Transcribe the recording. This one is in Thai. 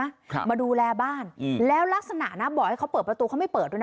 ครับมาดูแลบ้านอืมแล้วลักษณะนะบอกให้เขาเปิดประตูเขาไม่เปิดด้วยนะ